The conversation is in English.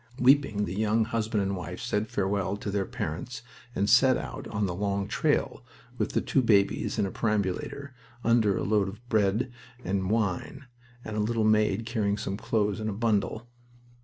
Weeping, the young husband and wife said farewell to their parents and set out on the long trail, with the two babies in a perambulator, under a load of bread and wine, and a little maid carrying some clothes in a bundle.